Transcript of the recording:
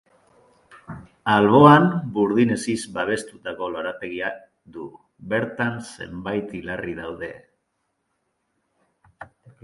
Alboan, burdin-hesiz babestutako lorategia du, bertan zenbait hilarri daude.